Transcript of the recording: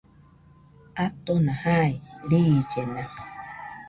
Atona jai, riillena